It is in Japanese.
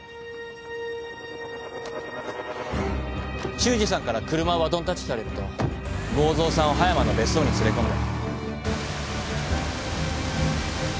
修二さんから車をバトンタッチされると剛蔵さんを葉山の別荘に連れ込んだ。